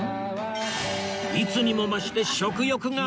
いつにも増して食欲が爆発！